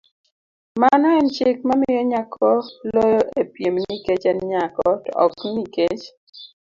mano en chik mamiyo nyako loyo e piem nikech en nyako, to ok nikech